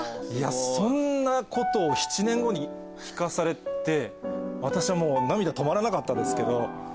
いやそんなことを７年後に聞かされて私はもう涙止まらなかったですけど。